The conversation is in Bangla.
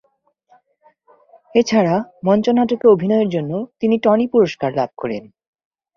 এছাড়া মঞ্চনাটকে অভিনয়ের জন্য তিনি টনি পুরস্কার লাভ করেন।